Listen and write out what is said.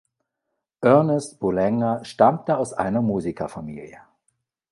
Ernest Boulanger stammte aus einer Musikerfamilie.